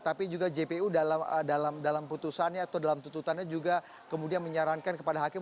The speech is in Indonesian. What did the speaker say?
tapi juga jpu dalam putusannya atau dalam tututannya juga kemudian menyarankan kepada hakim